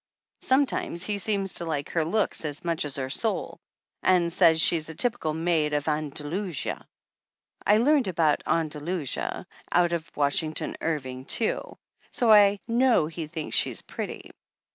Sometimes he seems to like her looks as much as her soul, and says 234 THE ANNALS OF ANN she's a typical maid of Andalusia. I learned about Andalusia out of Washington Irving too, so I know he thinks she's pretty.